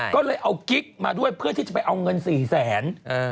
ก็เลยเอากิ๊กมาด้วยเพื่อที่จะไปเอาเงิน๔แสน